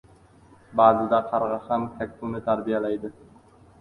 • Ba’zida qarg‘a ham kakkuni tarbiyalaydi.